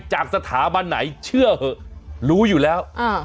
จากสถาบันไหนเชื่อเหอะรู้อยู่แล้ว